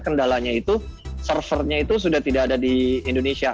kendalanya itu servernya itu sudah tidak ada di indonesia